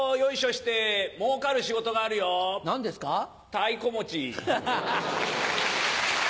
太鼓持ち。